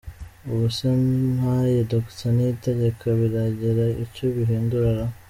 Ubu se maye Dr Niyitegeka biragira icyo bihindura ra?